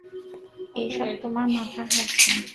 এসব তোমার মাথা খাচ্ছে।